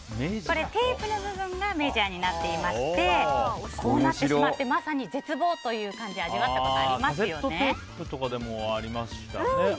これ、テープの部分がメジャーになっていましてこうなってしまってまさに絶望という感じ味わったことありますよね。